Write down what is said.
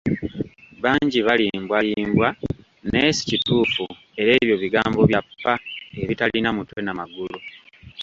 Bangi balimbwalimbwa naye si kituufu era ebyo bigambo bya ppa ebitalina mutwe n'amagulu.